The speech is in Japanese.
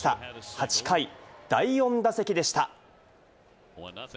８回、第４打席でした。